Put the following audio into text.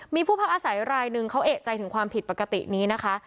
มีผู้พักอาศัยรายหนึ่งเขาเอกใจถึงความผิดปกตินี้นะคะ